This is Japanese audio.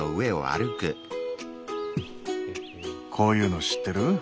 こういうの知ってる？